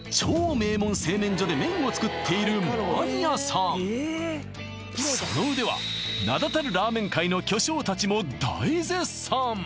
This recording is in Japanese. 名門製麺所で麺を作っているマニアさんその腕は名だたるラーメン界の巨匠たちも大絶賛